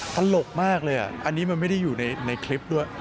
ตลกมากเลยอันนี้มันไม่ได้อยู่ในคลิปด้วย